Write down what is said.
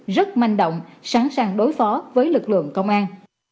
rất manh động sẵn sàng đối phó với lực lượng công an